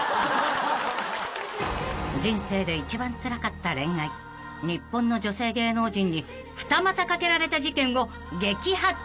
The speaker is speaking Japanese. ［人生で一番つらかった恋愛日本の女性芸能人に２股かけられた事件を激白］